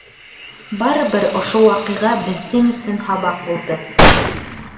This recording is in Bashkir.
Барыбер ошо ваҡиға беҙҙең өсөн һабаҡ булды.